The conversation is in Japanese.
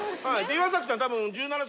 岩崎さんたぶん１７歳。